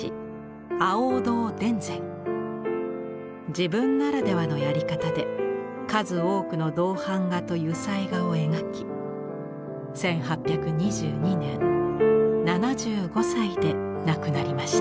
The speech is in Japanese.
自分ならではのやり方で数多くの銅版画と油彩画を描き１８２２年７５歳で亡くなりました。